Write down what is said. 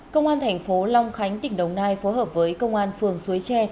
công an thành phố long khánh tỉnh đồng nai phối hợp với công an phường suối tre